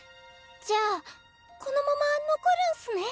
じゃあこのまま残るんすね？